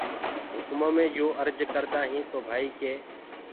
هُڪمو مي يو ارج ڪردآ هينٚ تو ڀآئي ڪي۔